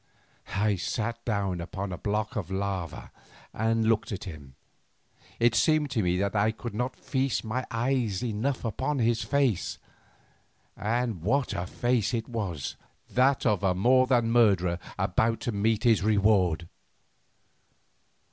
I sat down upon a block of lava and looked at him; it seemed to me that I could not feast my eyes enough upon his face. And what a face it was; that of a more than murderer about to meet his reward!